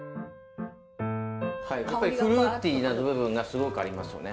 はいやっぱりフルーティーな部分がすごくありますよね。